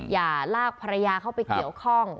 อย่าลากภรรยาเข้าไปเกี่ยวข้อง